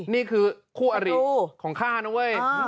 นี่คือคู่อริของข้านะเว้ย